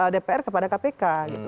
dpr kepada kpk